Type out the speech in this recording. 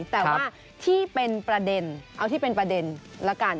แต่ว่าที่เป็นประเด็นเอาที่เป็นประเด็นละกัน